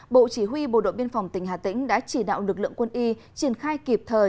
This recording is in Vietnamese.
bộ chỉ huy bộ đội biên phòng tỉnh hà tĩnh đã chỉ đạo lực lượng quân y triển khai kịp thời